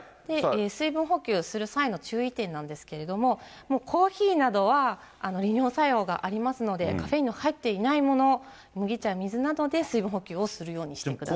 水分補給する際の注意点なんですけれども、コーヒーなどは利尿作用がありますので、カフェインの入っていないもの、麦茶、水などで水分補給をするようにしてください。